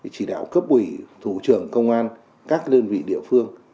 chỉ đạo cấp ủy thủ trưởng công an các đơn vị địa phương